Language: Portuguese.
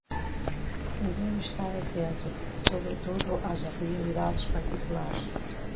deve estar atento, sobretudo, às realidades particulares